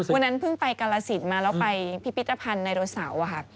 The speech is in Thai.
วันนั้นเพิ่งไปกาลสินมาแล้วไปพิพิธภัณฑ์ไดโนเสาร์ค่ะ